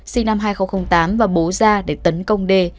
sinh năm hai nghìn tám và bố ra để tấn công đê